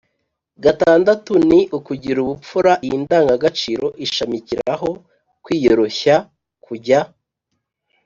gatandatu ni «ukugira ubupfura».iyi ndangagaciro ishamikiraho kwiyoroshya, kujya